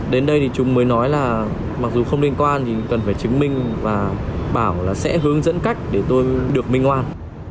đến đây thì chúng mới nói là mặc dù không liên quan thì cần phải chứng minh và bảo là sẽ hướng dẫn cách để tôi được minh hoan